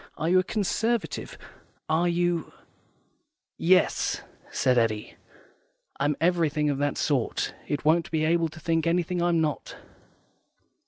Are you a Conservative? Are you '" "Yes," said Eddy, "I'm everything of that sort. It won't be able to think of anything I'm not."